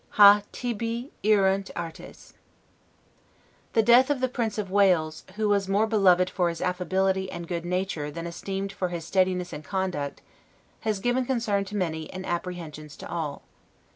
'Ha tibi erunt artes'. The death of the Prince of Wales, who was more beloved for his affability and good nature than esteemed for his steadiness and conduct, has given concern to many, and apprehensions to all.